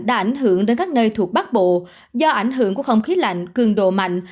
đã ảnh hưởng đến các nơi thuộc bắc bộ do ảnh hưởng của không khí lạnh cường độ mạnh